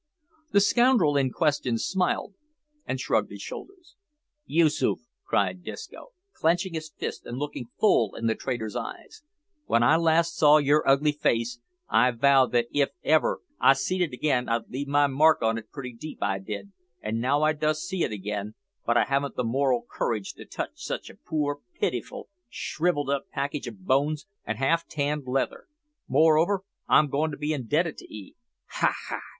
The scoundrel in question smiled and shrugged his shoulders. "Yoosoof," cried Disco, clenching his fist and looking full in the trader's eyes, "when I last saw yer ugly face, I vowed that if ever I seed it again I'd leave my mark on it pretty deep, I did; and now I does see it again, but I haven't the moral courage to touch sitch a poor, pitiful, shrivelled up package o' bones an' half tanned leather. Moreover, I'm goin' to be indebted to 'ee! Ha! ha!"